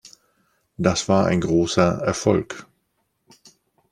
Das war ein großer Erfolg!